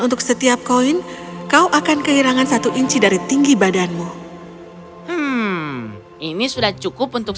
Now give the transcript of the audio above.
untuk setiap koin kau akan kehilangan satu inci dari tinggi badanmu ini sudah cukup untuk